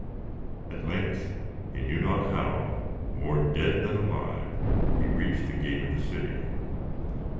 At length, he knew not how, more dead than alive, he reached the gate of the city.